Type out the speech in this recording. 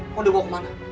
kondol gua kemana